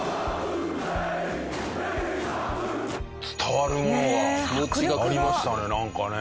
伝わるものがありましたねなんかね。